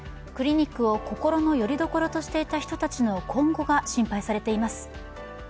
クリニックを心のよりどころとしていた人たちの今後が心配されています。